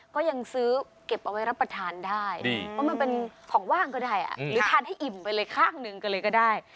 ก็ยังซื้อเก็บเอาไว้รับประทานได้เพราะมันเป็นของว่างก็ได้หรือทานให้อิ่มไปเลยข้างหนึ่งกันเลยก็ได้